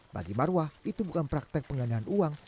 bagi marwah itu bukan praktek penggandaan uang